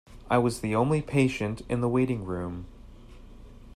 I was the only patient in the waiting room.